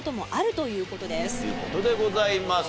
という事でございます。